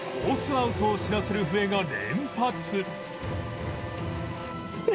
アウトを知らせる笛が連発